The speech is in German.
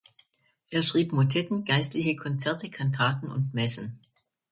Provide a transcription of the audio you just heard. Er schrieb Motetten, Geistliche Konzerte, Kantaten und Messen.